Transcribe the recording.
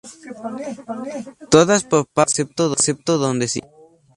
Todas por Pappo, excepto donde se indica.